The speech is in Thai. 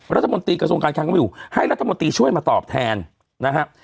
รัฐมนตรีกระทรวงการคังก็มีอยู่ให้รัฐมนตรีช่วยมาตอบแทนนะฮะ